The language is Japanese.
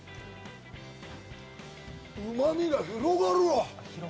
うま味が広がるわ！